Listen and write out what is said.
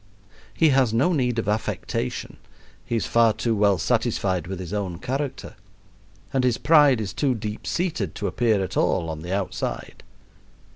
He has no need of affectation he is far too well satisfied with his own character; and his pride is too deep seated to appear at all on the outside.